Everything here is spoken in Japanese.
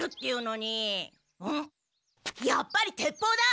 やっぱり鉄砲だ！